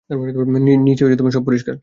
নিচে সব পরিষ্কার।